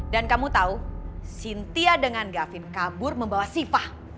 dan kamu tahu cynthia dengan gavin kabur membawa syifa